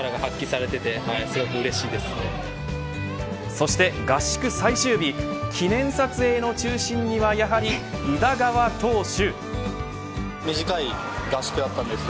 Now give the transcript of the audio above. そして合宿最終日記念撮影の中心にはやはり宇田川投手。